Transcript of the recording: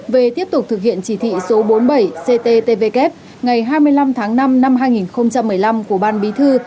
về tiếp tục thực hiện chỉ thị số bốn mươi bảy cttvk ngày hai mươi năm tháng năm năm hai nghìn một mươi năm của ban bí thư